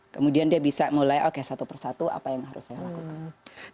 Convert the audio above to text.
kemudian dia bisa mulai oke satu persatu apa yang harus saya lakukan